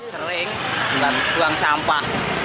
sering dengan buang sampah